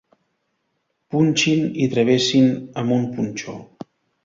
Punxin i travessin amb un punxó.